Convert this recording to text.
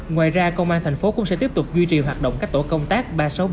ngoài ra công an thành phố cũng sẽ tiếp tục duy trì hoạt động các tổ công tác ba trăm sáu mươi bảy